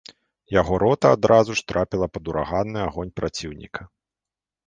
Яго рота адразу ж трапіла пад ураганны агонь праціўніка.